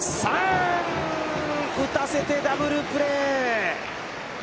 打たせてダブルプレー。